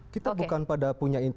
kita bukan pada punya